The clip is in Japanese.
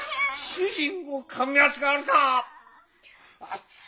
主人をかむやつがあるか！